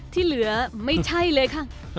ที่เหลือไม่ใช่เลยค่ะ